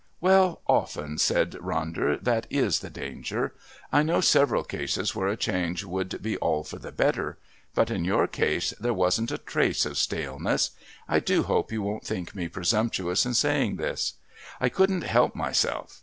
"Well, often," said Ronder, "that is a danger. I know several cases where a change would be all for the better, but in your case there wasn't a trace of staleness. I do hope you won't think me presumptuous in saying this. I couldn't help myself.